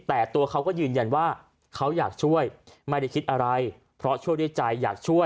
แต่ตัวเขาก็ยืนยันว่าเขาอยากช่วยไม่ได้คิดอะไรเพราะช่วยด้วยใจอยากช่วย